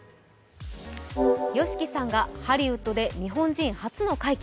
ＹＯＳＨＩＫＩさんがハリウッドで日本人初の快挙。